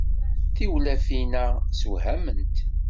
Tiwlafin-a ssewhament.